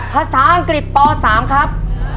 ภาษาอังกฤษป๓ครับ